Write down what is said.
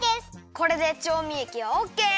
これでちょうみえきはオッケー！